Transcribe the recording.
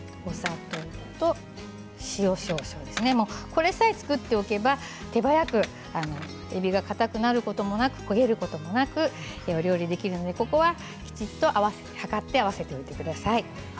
これさえ作っておけば手早くえびがかたくなることなく焦げることもなく料理できるのでここはきちんと測って合わせておいてください。